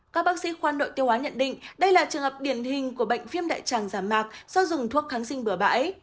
các bác sĩ khoan đội tiêu hóa nhận định đây là trường hợp điển hình của bệnh phim đại tràng giả mạc do dùng thuốc kháng sinh bửa bãi